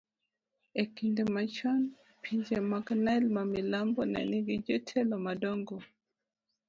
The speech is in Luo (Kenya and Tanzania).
e kinde machon, pinje mag Nile mamilambo ne nigi jotelo madongo.